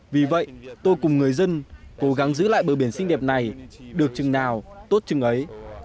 vì vậy tôi cùng người dân cố gắng giữ lại bờ biển xinh đẹp này được chừng nào tốt chừng ấy